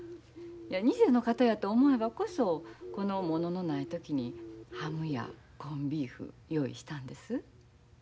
二世の方やと思えばこそこの物のない時にハムやコンビーフ用意したんです。